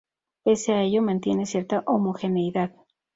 Pese a ello, mantiene cierta homogeneidad.